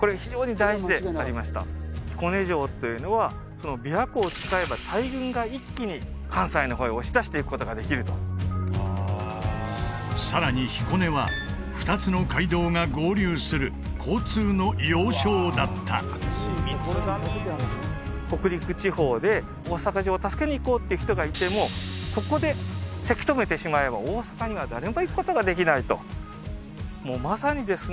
これが非常に大事でありました彦根城というのは琵琶湖を使えば大軍が一気に関西の方へ押し出していくことができるとさらに彦根は２つの街道が合流する交通の要衝だった北陸地方で大坂城を助けにいこうっていう人がいてもここでせき止めてしまえば大坂には誰も行くことができないともうまさにですね